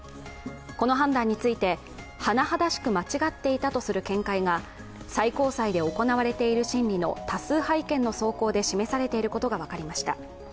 この判断について、はなはだしく間違っていたとする見解が最高裁で行われている審理の多数派意見の草稿で示されていることが分かりました。